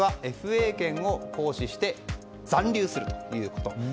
ベストな選択はＦＡ権を行使して残留するということ。